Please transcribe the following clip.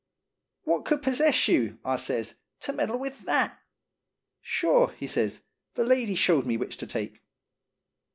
"What could possess you," I says, "to meddle with thatf" "Sure," he says, "the lady showed me which to take."